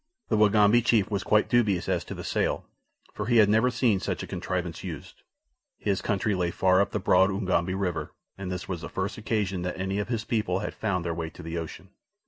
The Wagambi chief was quite dubious as to the sail, for he had never seen such a contrivance used. His country lay far up the broad Ugambi River, and this was the first occasion that any of his people had found their way to the ocean.